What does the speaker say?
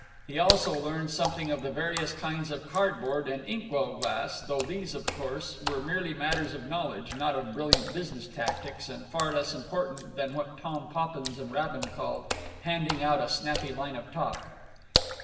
He also learned something of the various kinds of cardboard and ink well glass, though these, of course, were merely matters of knowledge, not of brilliant business tactics, and far less important than what Tom Poppins and Rabin called "handing out a snappy line of talk."